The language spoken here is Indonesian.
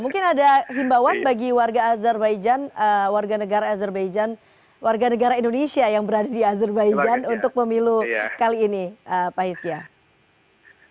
mungkin ada himbawan bagi warga azerbaijan warga negara azerbaijan warga negara indonesia yang berada di azerbaijan untuk pemilu kali ini pak hizkia